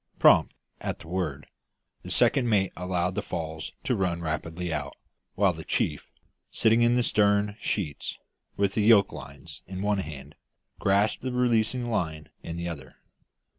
Prompt, at the word, the second mate allowed the falls to run rapidly out, while the chief, sitting in the stern sheets, with the yoke lines in one hand, grasped the releasing line in the other.